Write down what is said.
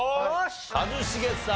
一茂さん